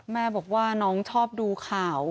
แม่บอกว่าน้องชอบดูข่าว